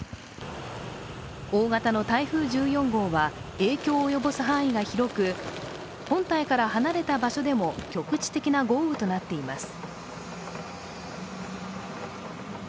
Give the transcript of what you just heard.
大型の台風１４号は影響を及ぼす範囲が広く本体から離れた場所でも局地的な豪雨となっています。